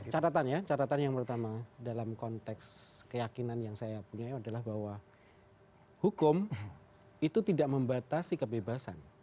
catatan ya catatan yang pertama dalam konteks keyakinan yang saya punya adalah bahwa hukum itu tidak membatasi kebebasan